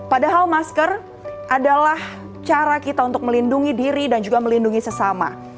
padahal masker adalah cara kita untuk melindungi diri dan juga melindungi sesama